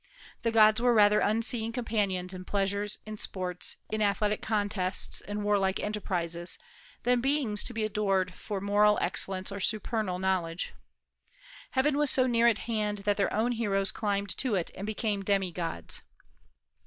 The gods were rather unseen companions in pleasures, in sports, in athletic contests and warlike enterprises, than beings to be adored for moral excellence or supernal knowledge. "Heaven was so near at hand that their own heroes climbed to it and became demigods."